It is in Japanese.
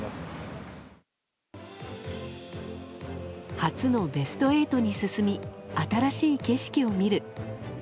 初のベスト８に進み新しい景色を見る。